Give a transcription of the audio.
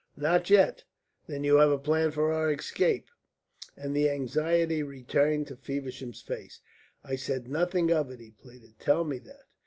"Not yet, then you have a plan for our escape," and the anxiety returned to Feversham's face. "I said nothing of it," he pleaded, "tell me that!